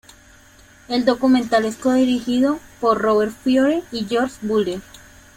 El documental es co-dirigido por Robert Fiore y George Butler.